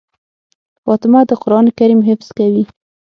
فاطمه د قرآن کريم حفظ کوي.